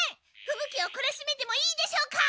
ふぶ鬼をこらしめてもいいでしょうか？